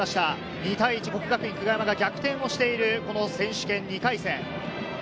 ２対１、國學院久我山が逆転をしている選手権２回戦。